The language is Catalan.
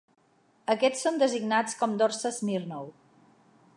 Aquests són designats com Dorsa Smirnov.